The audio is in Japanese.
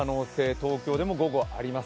東京でも午後、あります。